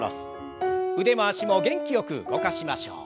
腕も脚も元気よく動かしましょう。